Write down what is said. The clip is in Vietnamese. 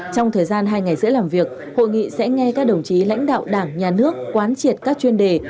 trong thời gian hai ngày dễ làm việc hội nghị sẽ nghe các đồng chí lãnh đạo đảng nhà nước quán triệt các chuyên đề